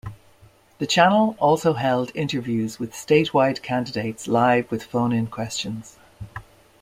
The channel also held interviews with statewide candidates live with phone-in questions.